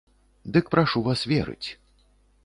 Дык прашу вас верыць.